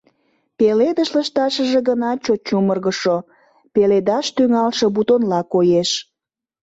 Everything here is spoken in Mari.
Пеледыш лышташыже гына чот чумыргышо, пеледаш тӱҥалше бутонла коеш.